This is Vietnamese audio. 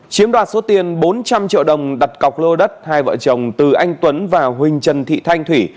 chiếm đoạt số tiền bốn trăm linh triệu đồng đặt cọc lô đất hai vợ chồng từ anh tuấn và huỳnh trần thị thanh thủy